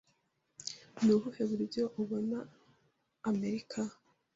Ni ubuhe buryo ubona Amerika?